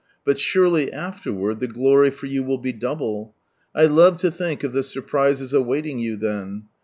But surely afterward, the glory for you will be double. I love to think of the surprises awaiting you then.